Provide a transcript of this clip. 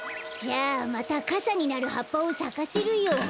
じゃあまたかさになるはっぱをさかせるよ。